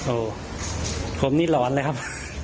โอ้โหผมนี่หลอนเลยครับ